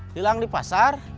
hilang di pasar